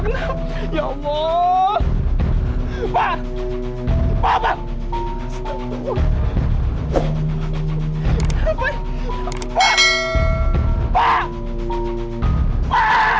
ya allah pak pak pak pak pak pak pak pak pak